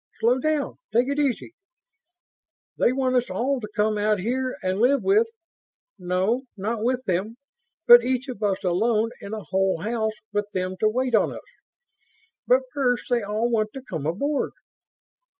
_ Slow down. Take it easy! They want us all to come out here and live with ... no, not with them, but each of us alone in a whole house with them to wait on us! But first, they all want to come aboard...."